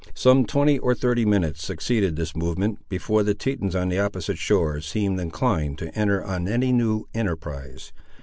Some twenty or thirty minutes succeeded this movement before the Tetons on the opposite shore seemed inclined to enter on any new enterprise.